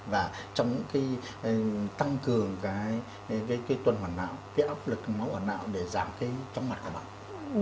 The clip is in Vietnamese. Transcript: và trong cái tăng cường cái cái cái tuần hoàn não cái áp lực máu hoàn não để giảm cái chóng mặt của bạn